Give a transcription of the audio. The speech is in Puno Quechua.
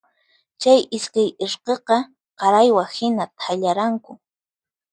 Chay iskay irqiqa qaraywa hina thallaranku.